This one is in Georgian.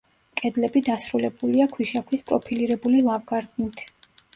კედლები დასრულებულია ქვიშაქვის პროფილირებული ლავგარდნით.